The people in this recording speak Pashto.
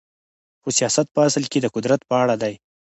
خو سیاست په اصل کې د قدرت په اړه دی.